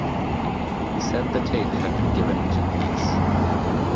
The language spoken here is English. He said the tape had been given to police.